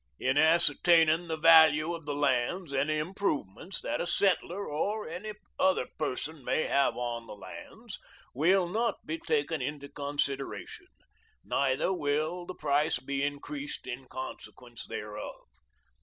'In ascertaining the value of the lands, any improvements that a settler or any other person may have on the lands will not be taken into consideration, neither will the price be increased in consequence thereof....